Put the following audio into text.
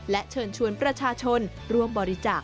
และเชิญชวนประชาชนร่วมบริจาค